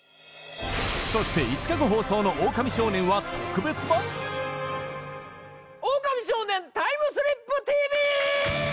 そして５日後放送の「オオカミ少年」は特別版オオカミ少年タイムスリップＴＶ！